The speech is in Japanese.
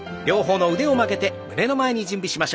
両方の腕を曲げて胸の前に。